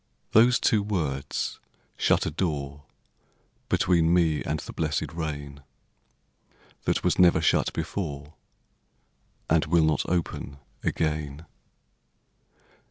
Those two words shut a door Between me and the blessed rain That was never shut before And will not open again.